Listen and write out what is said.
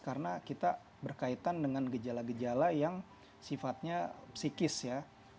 karena kita berkaitan dengan gejala gejala yang sifatnya psikis ya